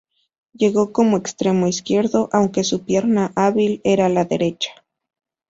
Llegó como extremo izquierdo, aunque su pierna hábil era la derecha.